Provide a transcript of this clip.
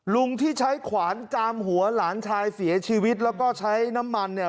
ลุงที่ใช้ขวานจามหัวหลานชายเสียชีวิตแล้วก็ใช้น้ำมันเนี่ย